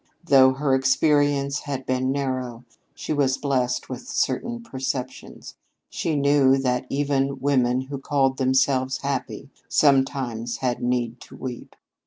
Though her experience had been narrow she was blessed with certain perceptions. She knew that even women who called themselves happy sometimes had need to weep.